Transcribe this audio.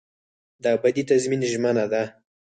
دا ابدي تضمین ژمنه ده.